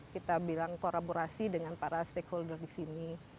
kita bilang kolaborasi dengan para stakeholder di sini